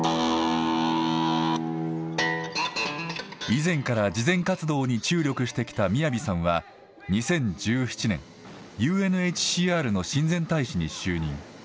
以前から慈善活動に注力してきたＭＩＹＡＶＩさんは２０１７年、ＵＮＨＣＲの親善大使に就任。